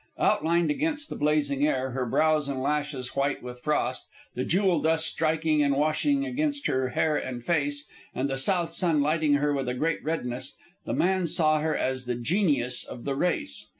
'" Outlined against the blazing air, her brows and lashes white with frost, the jewel dust striking and washing against hair and face, and the south sun lighting her with a great redness, the man saw her as the genius of the race.